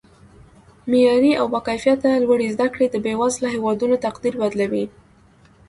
معیاري او با کیفته لوړې زده کړې د بیوزله هیوادونو تقدیر بدلوي